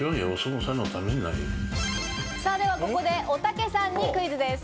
ではここでおたけさんにクイズです。